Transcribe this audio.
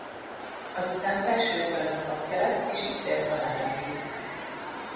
Azután Felsőszölnök papja lett és itt élt haláláig.